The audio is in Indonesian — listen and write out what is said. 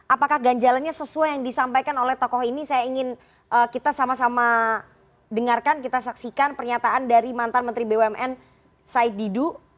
apakah ganjalannya sesuai yang disampaikan oleh tokoh ini saya ingin kita sama sama dengarkan kita saksikan pernyataan dari mantan menteri bumn said didu